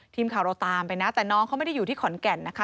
ทีมข่าวเราตามไปนะแต่น้องเขาไม่ได้อยู่ที่ขอนแก่นนะคะ